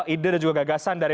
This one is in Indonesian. ide dan gagasan dari